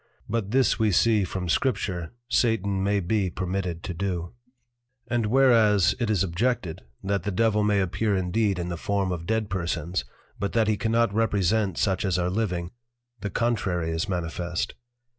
But this we see from Scripture, Satan may be permitted to do. And whereas it is objected, that the Devil may appear indeed in the form of Dead Persons, but that he cannot represent such as are living; The contrary is manifest.